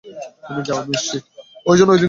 তুমি যাও, আমি আসছি।